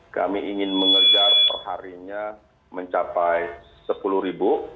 kami ingin mengejar perharinya mencapai sepuluh ribu